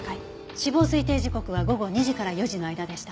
死亡推定時刻は午後２時から４時の間でした。